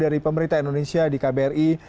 dari pemerintah indonesia di kbri